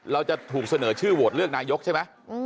เราจะถูกเสนอชื่อโหวตเลือกนายกใช่ไหม